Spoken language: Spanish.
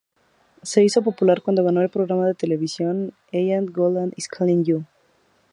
Se hizo popular cuando ganó el programa de televisión "Eyal Golan Is Calling You".